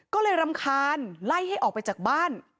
ก็เลยรำคาญไล่ให้ออกไปจากบ้าน